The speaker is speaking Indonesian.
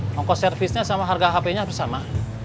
ngomong servisnya sama harga hpnya bersama